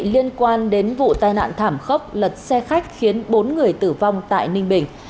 liên quan đến vụ tai nạn thảm khốc lật xe khách khiến bốn người tử vong tại ninh bình